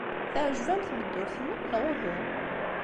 Teɛjeb-am tmeddurt-nnem, neɣ uhu?